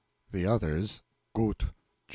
THE OTHERS. Gut! GEO.